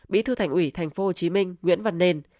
một mươi một bí thư thành ủy tp hcm nguyễn văn nền